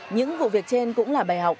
những vụ việc trên cũng là bài học